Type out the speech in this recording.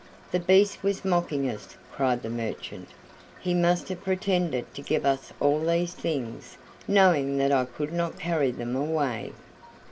"The Beast was mocking us," cried the merchant; "he must have pretended to give us all these things, knowing that I could not carry them away."